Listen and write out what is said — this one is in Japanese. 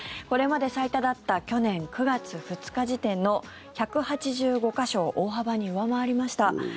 これまで最多だった去年９月２日時点の１８５か所を大幅に上回りました。